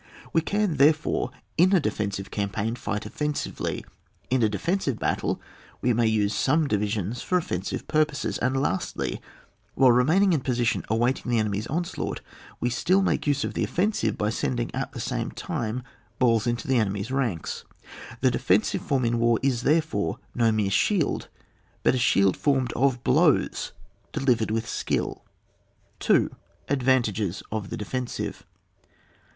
We can, therefore, in a de fensive campaign fight offensively, in a defensive battle we may use some divi sions for offensive purposes, and lastly, while remaining in position awaiting the enemy's onslaught, we still make use of the offensive by sending at the same time balls into the enemy's ranks. The defen sive form in war is therefore no mere shield but a shield formed of blows de livered with skill. 2. — Advantages of the Defensive.